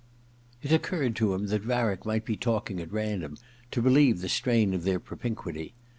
It occurred to him that Varick might be talking at random, to relieve the strain of their propinquity.